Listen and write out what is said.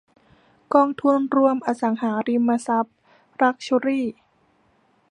กองทุนรวมอสังหาริมทรัพย์ลักซ์ชัวรี่